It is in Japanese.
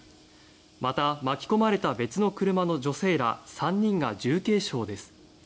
また、巻き込まれた別の車の女性ら３人が重軽傷です。